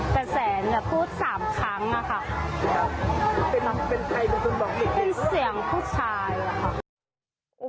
แปดแสนแต่พูดสามครั้งอ่ะค่ะเป็นใครเป็นคนบอกเป็นเสียงผู้ชายอ่ะค่ะ